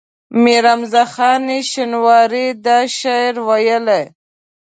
امیر حمزه خان شینواری دا شعر ویلی.